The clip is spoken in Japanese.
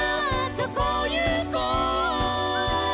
「どこ行こう？」